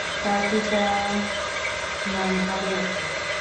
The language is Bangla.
তার পিতার নাম আলী আকবর।